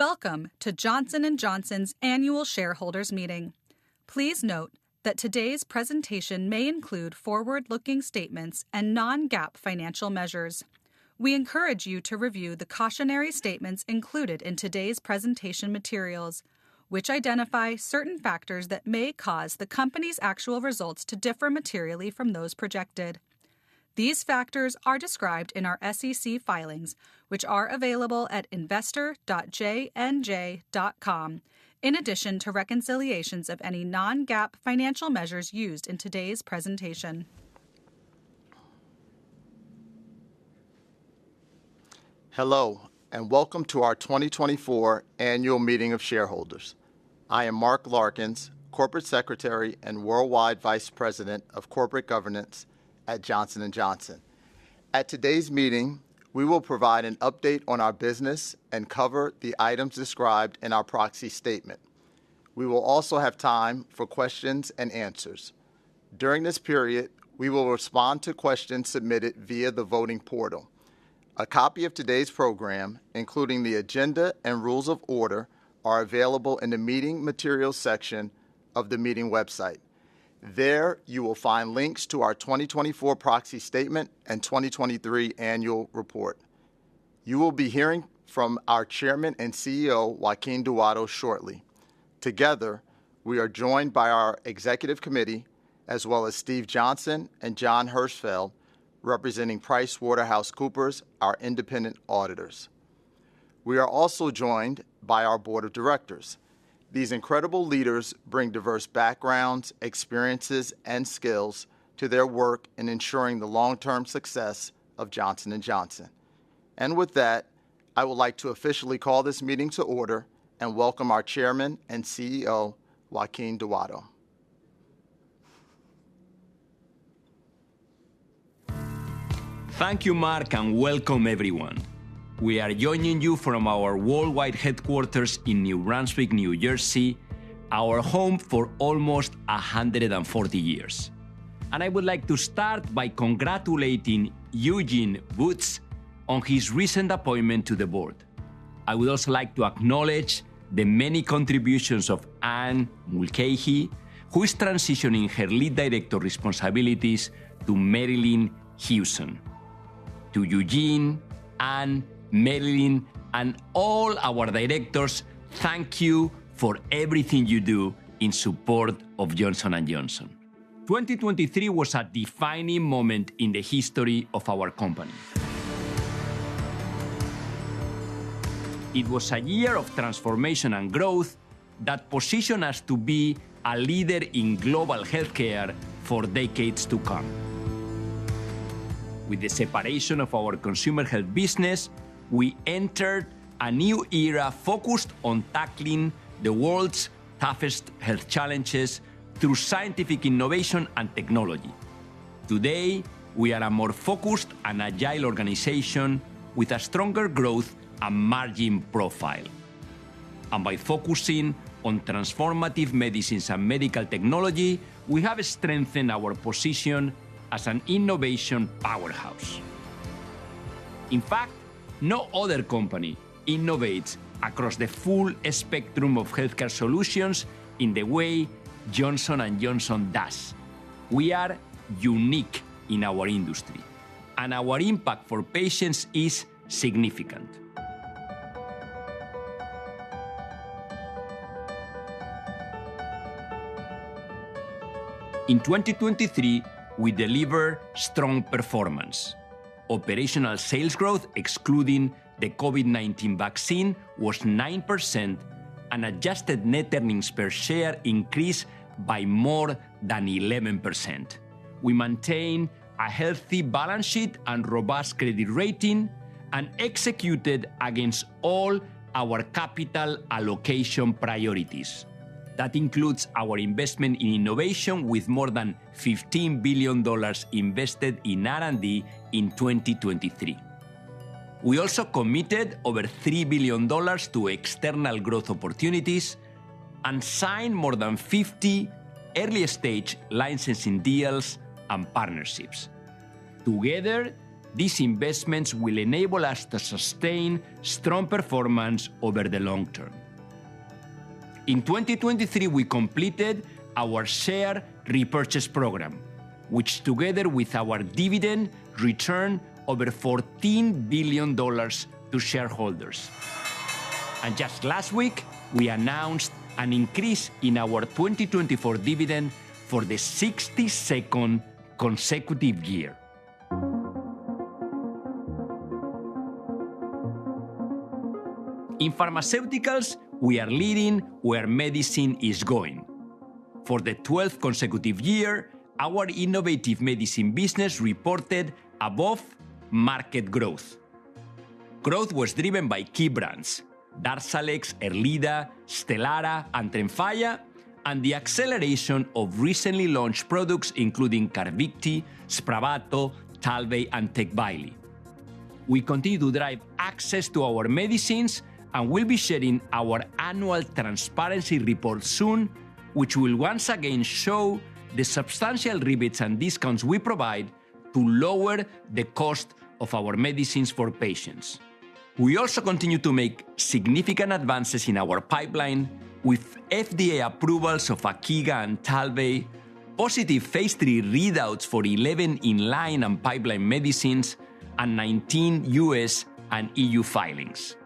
Welcome to Johnson & Johnson's annual shareholders' meeting. Please note that today's presentation may include forward-looking statements and non-GAAP financial measures. We encourage you to review the cautionary statements included in today's presentation materials, which identify certain factors that may cause the company's actual results to differ materially from those projected. These factors are described in our SEC filings, which are available at investor.jnj.com, in addition to reconciliations of any non-GAAP financial measures used in today's presentation. Hello and welcome to our 2024 annual meeting of shareholders. I am Marc Larkins, Corporate Secretary and Worldwide Vice President of Corporate Governance at Johnson & Johnson. At today's meeting, we will provide an update on our business and cover the items described in our Proxy Statement. We will also have time for questions and answers. During this period, we will respond to questions submitted via the voting portal. A copy of today's program, including the agenda and rules of order, are available in the meeting materials section of the meeting website. There you will find links to our 2024 Proxy Statement and 2023 annual report. You will be hearing from our Chairman and CEO, Joaquin Duato, shortly. Together, we are joined by our Executive Committee, as well as Steve Johnson and John Hauselt, representing PricewaterhouseCoopers, our independent auditors. We are also joined by our board of directors. These incredible leaders bring diverse backgrounds, experiences, and skills to their work in ensuring the long-term success of Johnson & Johnson. With that, I would like to officially call this meeting to order and welcome our Chairman and CEO, Joaquin Duato. Thank you, Marc, and welcome everyone. We are joining you from our worldwide headquarters in New Brunswick, New Jersey, our home for almost 140 years. I would like to start by congratulating Eugene Woods on his recent appointment to the board. I would also like to acknowledge the many contributions of Ann Mulcahy, who is transitioning her lead director responsibilities to Marillyn Hewson. To Eugene, Ann, Marilyn, and all our directors, thank you for everything you do in support of Johnson & Johnson. 2023 was a defining moment in the history of our company. It was a year of transformation and growth that positioned us to be a leader in global healthcare for decades to come. With the separation of our consumer health business, we entered a new era focused on tackling the world's toughest health challenges through scientific innovation and technology. Today, we are a more focused and agile organization with a stronger growth and margin profile. By focusing on transformative medicines and medical technology, we have strengthened our position as an innovation powerhouse. In fact, no other company innovates across the full spectrum of healthcare solutions in the way Johnson & Johnson does. We are unique in our industry, and our impact for patients is significant. In 2023, we delivered strong performance. Operational Sales Growth, excluding the COVID-19 vaccine, was 9%, and Adjusted Net Earnings Per Share increased by more than 11%. We maintained a healthy balance sheet and robust credit rating, and executed against all our capital allocation priorities. That includes our investment in innovation, with more than $15 billion invested in R&D in 2023. We also committed over $3 billion to external growth opportunities and signed more than 50 early-stage licensing deals and partnerships. Together, these investments will enable us to sustain strong performance over the long term. In 2023, we completed our share repurchase program, which together with our dividend returned over $14 billion to shareholders. Just last week, we announced an increase in our 2024 dividend for the 62nd consecutive year. In pharmaceuticals, we are leading where medicine is going. For the 12th consecutive year, our Innovative Medicine business reported above-market growth. Growth was driven by key brands: DARZALEX, ERLEADA, STELARA, and TREMFYA, and the acceleration of recently launched products including CARVYKTI, SPRAVATO, TALVEY, and TECVAYLI. We continue to drive access to our medicines and will be sharing our annual transparency report soon, which will once again show the substantial rebates and discounts we provide to lower the cost of our medicines for patients. We also continue to make significant advances in our pipeline, with FDA approvals of AKEEGA and TALVEY, positive Phase III readouts for 11 in-line and pipeline medicines, and 19 US and EU filings.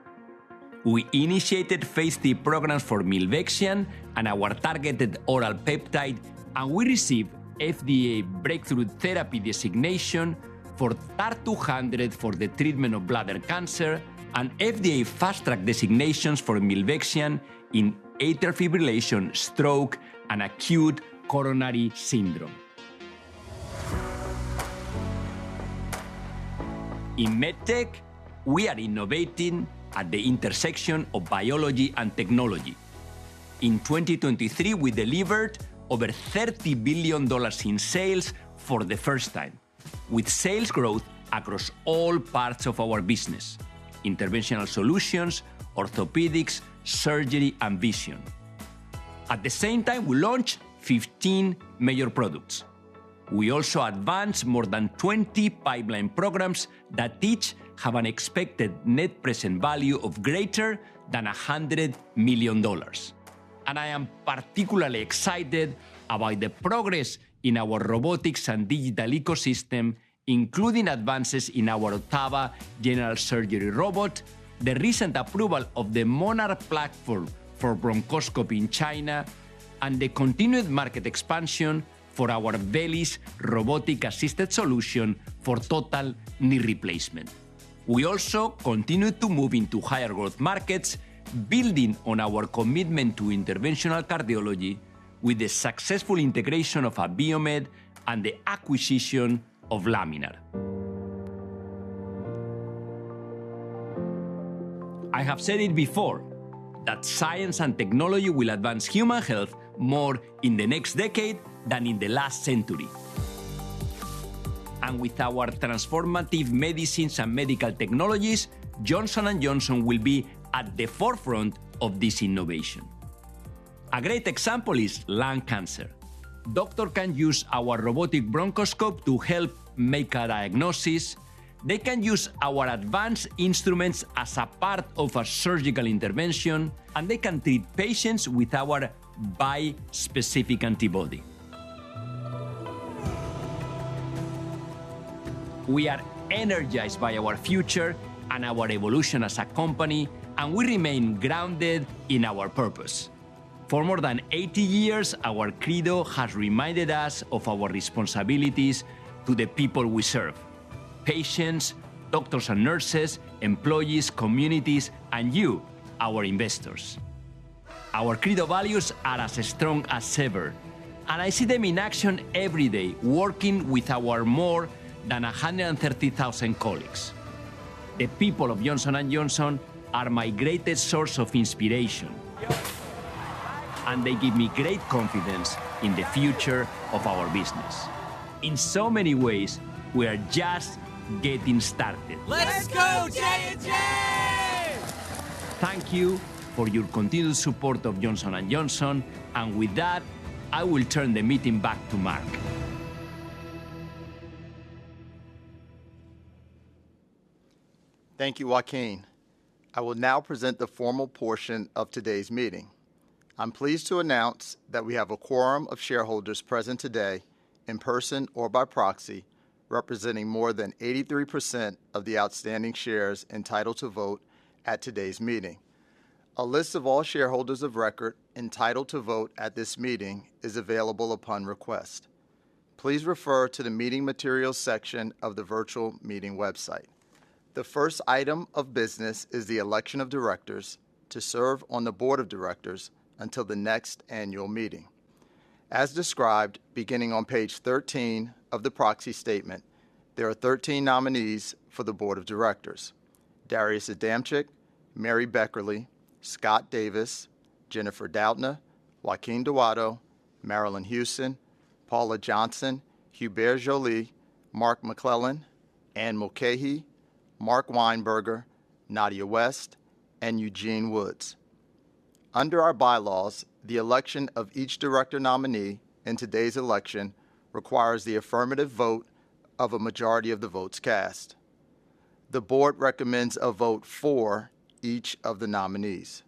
We initiated Phase III programs for Milvexian and our targeted oral peptide. We received FDA Breakthrough Therapy designation for TAR200 for the treatment of bladder cancer, and FDA Fast Track designations for Milvexian in atrial fibrillation, stroke, and acute coronary syndrome. In MedTech, we are innovating at the intersection of biology and technology. In 2023, we delivered over $30 billion in sales for the first time, with sales growth across all parts of our business: interventional solutions, orthopedics, surgery, and vision. At the same time, we launched 15 major products. We also advanced more than 20 pipeline programs that each have an expected net present value of greater than $100 million. I am particularly excited about the progress in our robotics and digital ecosystem, including advances in our OTTAVA general surgery robot, the recent approval of the MONARCH Platform for bronchoscopy in China, and the continued market expansion for our VELYS robotic-assisted solution for total knee replacement. We also continue to move into higher growth markets, building on our commitment to interventional cardiology with the successful integration of Abiomed and the acquisition of Laminar. I have said it before that science and technology will advance human health more in the next decade than in the last century. With our transformative medicines and medical technologies, Johnson & Johnson will be at the forefront of this innovation. A great example is lung cancer. Doctors can use our robotic bronchoscope to help make a diagnosis. They can use our advanced instruments as a part of a surgical intervention, and they can treat patients with our bispecific antibody. We are energized by our future and our evolution as a company, and we remain grounded in our purpose. For more than 80 years, our Credo has reminded us of our responsibilities to the people we serve: patients, doctors and nurses, employees, communities, and you, our investors. Our Credo values are as strong as ever, and I see them in action every day working with our more than 130,000 colleagues. The people of Johnson & Johnson are my greatest source of inspiration, and they give me great confidence in the future of our business. In so many ways, we are just getting started. Let's go, J&J! Thank you for your continued support of Johnson & Johnson, and with that, I will turn the meeting back to Marc. Thank you, Joaquin. I will now present the formal portion of today's meeting. I'm pleased to announce that we have a quorum of shareholders present today, in person or by proxy, representing more than 83% of the outstanding shares entitled to vote at today's meeting. A list of all shareholders of record entitled to vote at this meeting is available upon request. Please refer to the meeting materials section of the virtual meeting website. The first item of business is the election of directors to serve on the board of directors until the next annual meeting. As described beginning on page 13 of the Proxy Statement, there are 13 nominees for the board of directors: Darius Adamczyk, Mary Beckerle, Scott Davis, Jennifer Doudna, Joaquin Duato, Marilyn Hewson, Paula Johnson, Hubert Joly, Mark McClellan, Anne Mulcahy, Mark Weinberger, Nadja West, and Eugene Woods. Under our bylaws, the election of each director nominee in today's election requires the affirmative vote of a majority of the votes cast. The board recommends a vote for each of the nominees.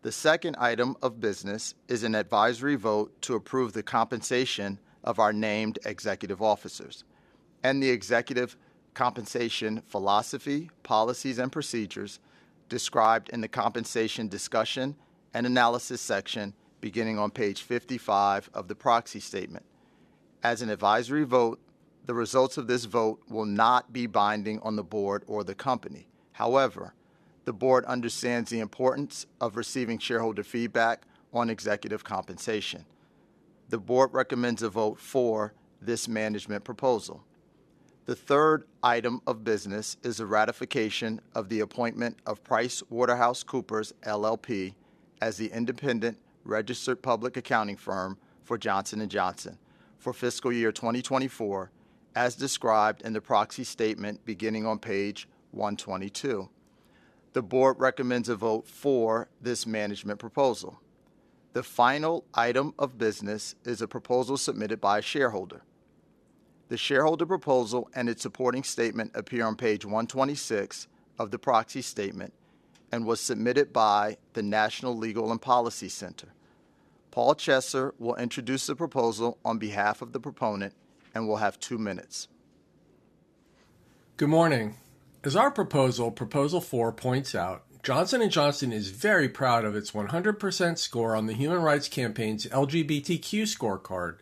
The second item of business is an advisory vote to approve the compensation of our named executive officers and the executive compensation philosophy, policies, and procedures described in the compensation discussion and analysis section beginning on page 55 of the Proxy Statement. As an advisory vote, the results of this vote will not be binding on the board or the company. However, the board understands the importance of receiving shareholder feedback on executive compensation. The board recommends a vote for this management proposal. The third item of business is a ratification of the appointment of PricewaterhouseCoopers LLP as the independent registered public accounting firm for Johnson & Johnson for fiscal year 2024, as described in the Proxy Statement beginning on page 122. The board recommends a vote for this management proposal. The final item of business is a proposal submitted by a shareholder. The shareholder proposal and its supporting statement appear on page 126 of the Proxy Statement and was submitted by the National Legal and Policy Center. Paul Chesser will introduce the proposal on behalf of the proponent and will have two minutes. Good morning. As our proposal, Proposal 4, points out, Johnson & Johnson is very proud of its 100% score on the Human Rights Campaign's LGBTQ Scorecard,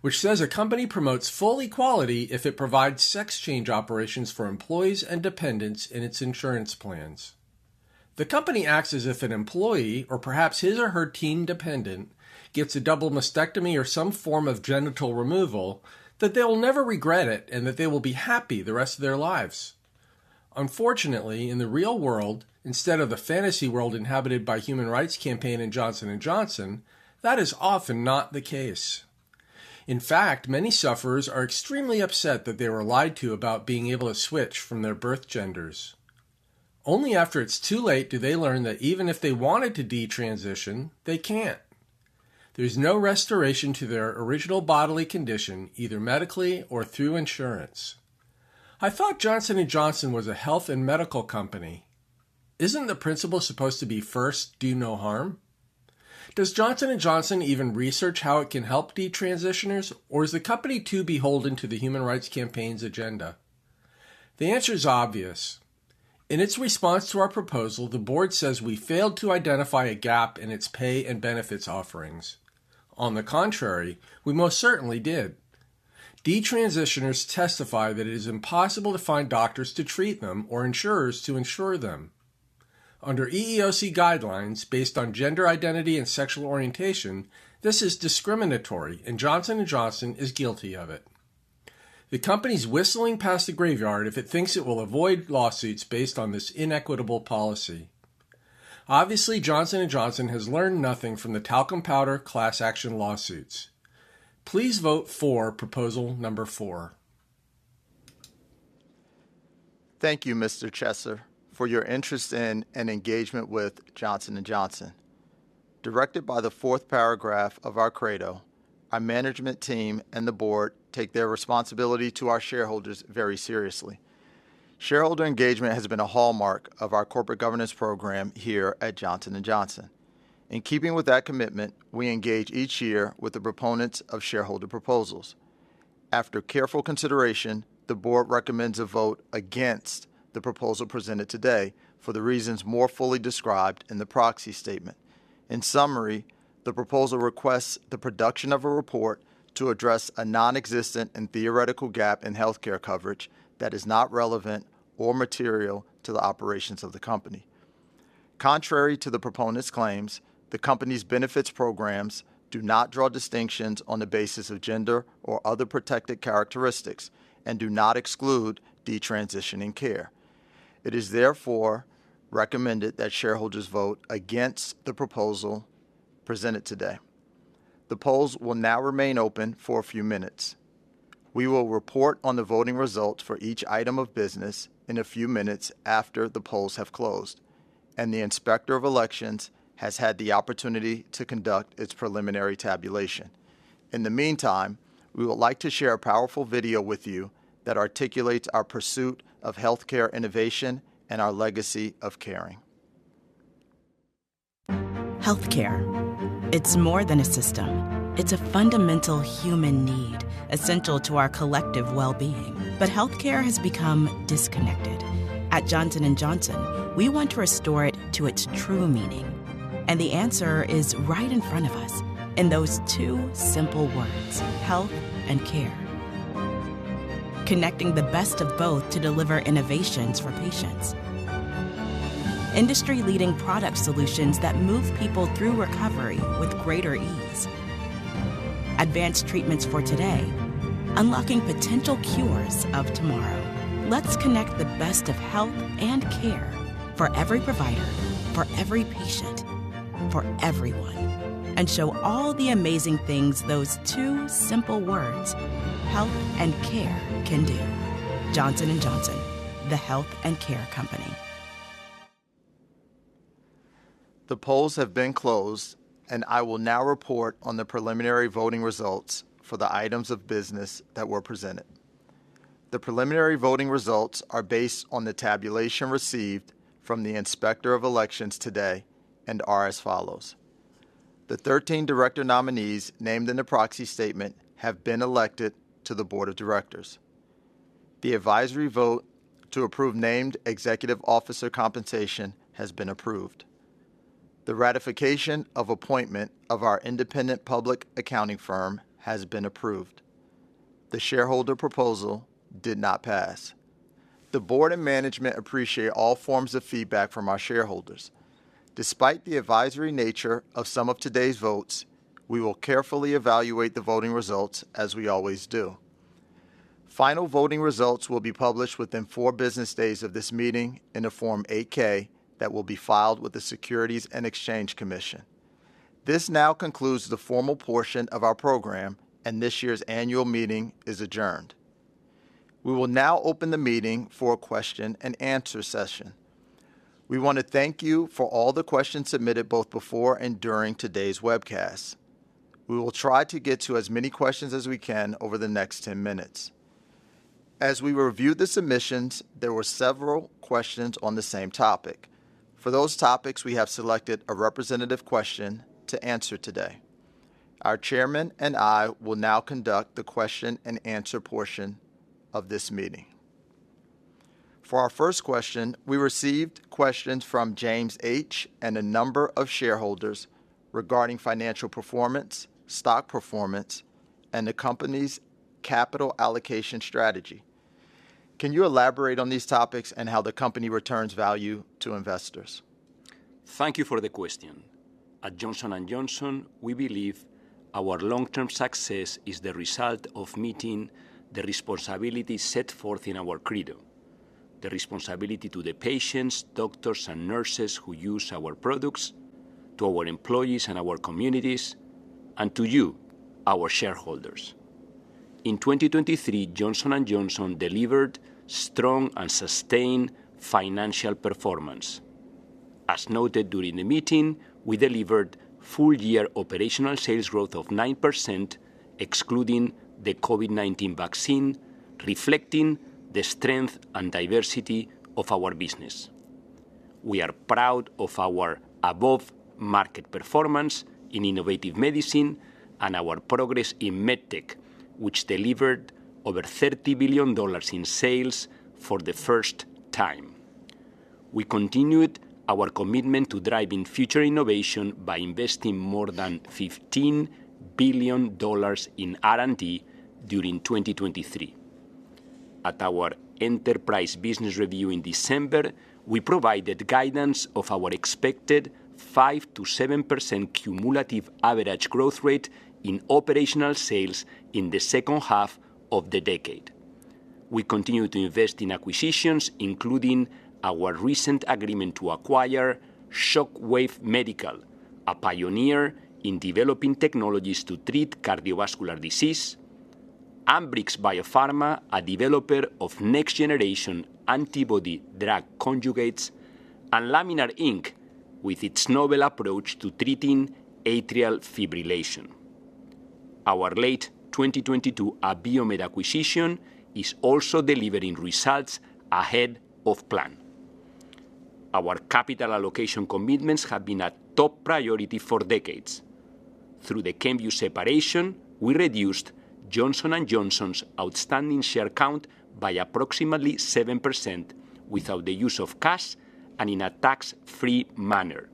which says a company promotes full equality if it provides sex change operations for employees and dependents in its insurance plans. The company acts as if an employee, or perhaps his or her team dependent, gets a double mastectomy or some form of genital removal, that they will never regret it and that they will be happy the rest of their lives. Unfortunately, in the real world, instead of the fantasy world inhabited by Human Rights Campaign and Johnson & Johnson, that is often not the case. In fact, many sufferers are extremely upset that they were lied to about being able to switch from their birth genders. Only after it's too late do they learn that even if they wanted to detransition, they can't. There's no restoration to their original bodily condition, either medically or through insurance. I thought Johnson & Johnson was a health and medical company. Isn't the principle supposed to be first, do no harm? Does Johnson & Johnson even research how it can help detransitioners, or is the company too beholden to the Human Rights Campaign's agenda? The answer is obvious. In its response to our proposal, the board says we failed to identify a gap in its pay and benefits offerings. On the contrary, we most certainly did. Detransitioners testify that it is impossible to find doctors to treat them or insurers to insure them. Under EEOC guidelines based on gender identity and sexual orientation, this is discriminatory, and Johnson & Johnson is guilty of it. The company's whistling past the graveyard if it thinks it will avoid lawsuits based on this inequitable policy. Obviously, Johnson & Johnson has learned nothing from the talcum powder class action lawsuits. Please vote for Proposal 4. Thank you, Mr. Chesser, for your interest in and engagement with Johnson & Johnson. Directed by the fourth paragraph of our Credo, our management team and the board take their responsibility to our shareholders very seriously. Shareholder engagement has been a hallmark of our corporate governance program here at Johnson & Johnson. In keeping with that commitment, we engage each year with the proponents of shareholder proposals. After careful consideration, the board recommends a vote against the proposal presented today for the reasons more fully described in the Proxy Statement. In summary, the proposal requests the production of a report to address a nonexistent and theoretical gap in healthcare coverage that is not relevant or material to the operations of the company. Contrary to the proponent's claims, the company's benefits programs do not draw distinctions on the basis of gender or other protected characteristics and do not exclude detransitioning care. It is therefore recommended that shareholders vote against the proposal presented today. The polls will now remain open for a few minutes. We will report on the voting results for each item of business in a few minutes after the polls have closed, and the inspector of elections has had the opportunity to conduct its preliminary tabulation. In the meantime, we would like to share a powerful video with you that articulates our pursuit of healthcare innovation and our legacy of caring. Healthcare. It's more than a system. It's a fundamental human need, essential to our collective well-being. But healthcare has become disconnected. At Johnson & Johnson, we want to restore it to its true meaning. And the answer is right in front of us in those two simple words: health and care. Connecting the best of both to deliver innovations for patients. Industry-leading product solutions that move people through recovery with greater ease. Advanced treatments for today, unlocking potential cures of tomorrow. Let's connect the best of health and care for every provider, for every patient, for everyone, and show all the amazing things those two simple words: health and care can do. Johnson & Johnson, the health and care company. The polls have been closed, and I will now report on the preliminary voting results for the items of business that were presented. The preliminary voting results are based on the tabulation received from the inspector of elections today, and are as follows: The 13 director nominees named in the Proxy Statement have been elected to the board of directors. The advisory vote to approve named executive officer compensation has been approved. The ratification of appointment of our independent public accounting firm has been approved. The shareholder proposal did not pass. The board and management appreciate all forms of feedback from our shareholders. Despite the advisory nature of some of today's votes, we will carefully evaluate the voting results as we always do. Final voting results will be published within four business days of this meeting in the Form 8-K that will be filed with the Securities and Exchange Commission. This now concludes the formal portion of our program, and this year's annual meeting is adjourned. We will now open the meeting for a question and answer session. We want to thank you for all the questions submitted both before and during today's webcast. We will try to get to as many questions as we can over the next 10 minutes. As we reviewed the submissions, there were several questions on the same topic. For those topics, we have selected a representative question to answer today. Our chairman and I will now conduct the question and answer portion of this meeting. For our first question, we received questions from James H. and a number of shareholders regarding financial performance, stock performance, and the company's capital allocation strategy. Can you elaborate on these topics and how the company returns value to investors? Thank you for the question. At Johnson & Johnson, we believe our long-term success is the result of meeting the responsibilities set forth in our Credo: the responsibility to the patients, doctors, and nurses who use our products, to our employees and our communities, and to you, our shareholders. In 2023, Johnson & Johnson delivered strong and sustained financial performance. As noted during the meeting, we delivered full-year operational sales growth of 9% excluding the COVID-19 vaccine, reflecting the strength and diversity of our business. We are proud of our above-market performance in innovative medicine and our progress in MedTech, which delivered over $30 billion in sales for the first time. We continued our commitment to driving future innovation by investing more than $15 billion in R&D during 2023. At our enterprise business review in December, we provided guidance of our expected 5%-7% cumulative average growth rate in operational sales in the second half of the decade. We continue to invest in acquisitions, including our recent agreement to acquire Shockwave Medical, a pioneer in developing technologies to treat cardiovascular disease, Ambrx Biopharma, a developer of next-generation antibody-drug conjugates, and Laminar, Inc., with its novel approach to treating atrial fibrillation. Our late 2022 Abiomed acquisition is also delivering results ahead of plan. Our capital allocation commitments have been a top priority for decades. Through the Kenvue separation, we reduced Johnson & Johnson's outstanding share count by approximately 7% without the use of cash and in a tax-free manner.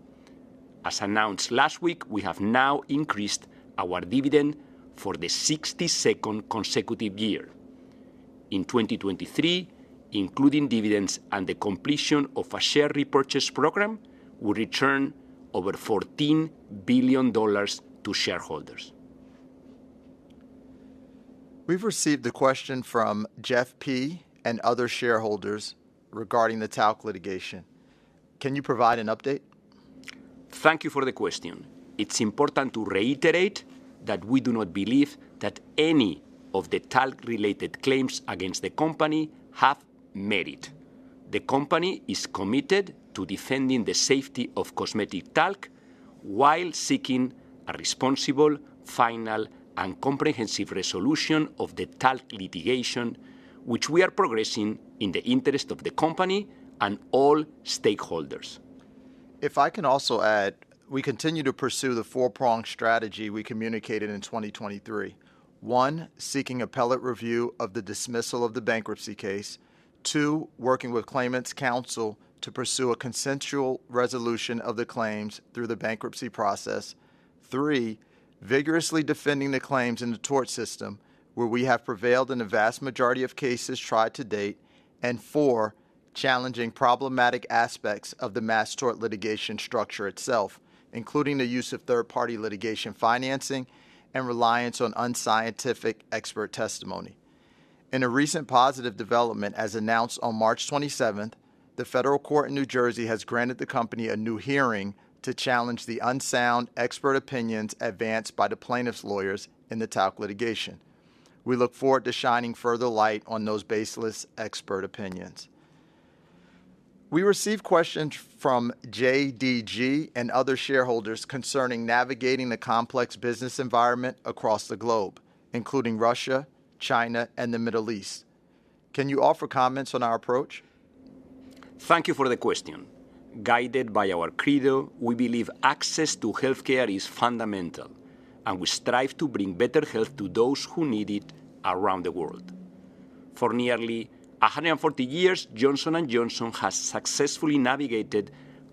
As announced last week, we have now increased our dividend for the 62nd consecutive year. In 2023, including dividends and the completion of a share repurchase program, we returned over $14 billion to shareholders. We've received the question from Jeff P. and other shareholders regarding the talc litigation. Can you provide an update? Thank you for the question. It's important to reiterate that we do not believe that any of the talc-related claims against the company have merit. The company is committed to defending the safety of cosmetic talc while seeking a responsible, final, and comprehensive resolution of the talc litigation, which we are progressing in the interest of the company and all stakeholders. If I can also add, we continue to pursue the four-pronged strategy we communicated in 2023: one, seeking appellate review of the dismissal of the bankruptcy case; two, working with claimant's counsel to pursue a consensual resolution of the claims through the bankruptcy process; three, vigorously defending the claims in the tort system, where we have prevailed in the vast majority of cases tried to date; and four, challenging problematic aspects of the mass tort litigation structure itself, including the use of third-party litigation financing and reliance on unscientific expert testimony. In a recent positive development, as announced on March 27, the Federal Court in New Jersey has granted the company a new hearing to challenge the unsound expert opinions advanced by the plaintiff's lawyers in the talc litigation. We look forward to shining further light on those baseless expert opinions. We received questions from JDG and other shareholders concerning navigating the complex business environment across the globe, including Russia, China, and the Middle East. Can you offer comments on our approach? Thank you for the question. Guided by our Credo, we believe access to healthcare is fundamental, and we strive to bring better health to those who need it around the world. For nearly 140 years, Johnson & Johnson has successfully navigated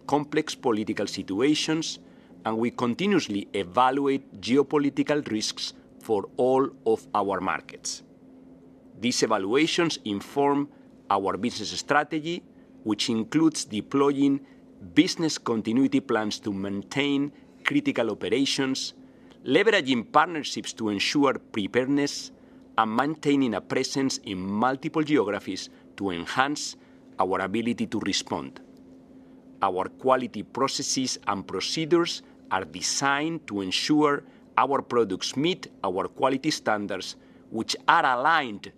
complex political situations, and we continuously evaluate geopolitical risks for all of our markets. These evaluations inform our business strategy, which includes deploying business continuity plans to maintain critical operations, leveraging partnerships to ensure preparedness, and maintaining a presence in multiple geographies to enhance our ability to respond. Our quality processes and procedures are designed to ensure our products meet our quality standards, which are aligned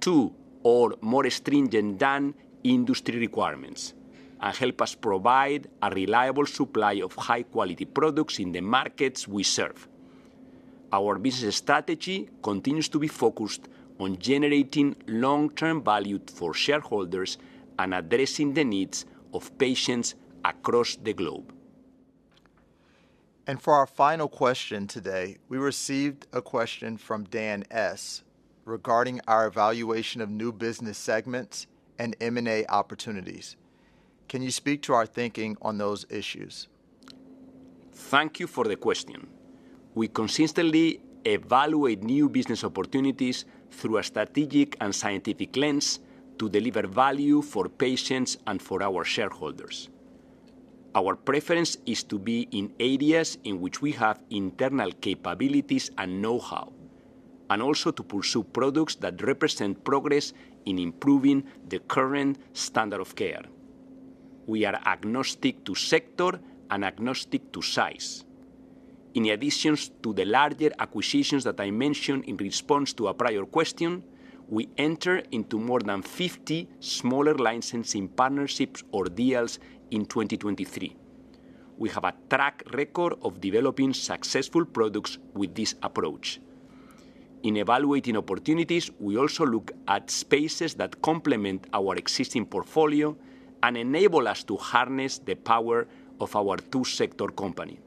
to or more stringent than industry requirements, and help us provide a reliable supply of high-quality products in the markets we serve. Our business strategy continues to be focused on generating long-term value for shareholders and addressing the needs of patients across the globe. For our final question today, we received a question from Dan S. regarding our evaluation of new business segments and M&A opportunities. Can you speak to our thinking on those issues? Thank you for the question. We consistently evaluate new business opportunities through a strategic and scientific lens to deliver value for patients and for our shareholders. Our preference is to be in areas in which we have internal capabilities and know-how, and also to pursue products that represent progress in improving the current standard of care. We are agnostic to sector and agnostic to size. In addition to the larger acquisitions that I mentioned in response to a prior question, we enter into more than 50 smaller licensing partnerships or deals in 2023. We have a track record of developing successful products with this approach. In evaluating opportunities, we also look at spaces that complement our existing portfolio and enable us to harness the power of our two-sector company.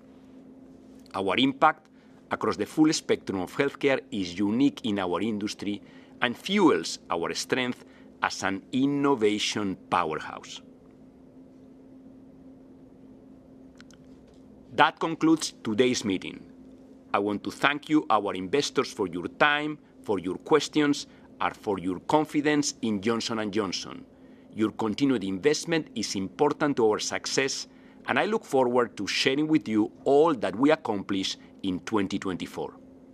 Our impact across the full spectrum of healthcare is unique in our industry and fuels our strength as an innovation powerhouse. That concludes today's meeting. I want to thank you, our investors, for your time, for your questions, and for your confidence in Johnson & Johnson. Your continued investment is important to our success, and I look forward to sharing with you all that we accomplish in 2024.